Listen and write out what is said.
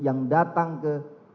yang datang ke